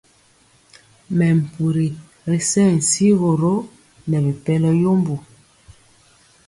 Mɛmpuri ri sɛŋ sigoro nɛ bipɛlɔ yembo.